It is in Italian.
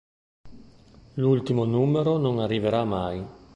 L'ultimo numero non arriverà mai.